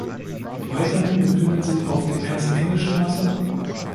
Weiterhin befindet sich auf der Ernst-Enge-Str.